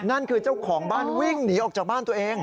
นั่นคือเจ้าของบ้านวิ่งหนีออกจากบ้านตัวเอง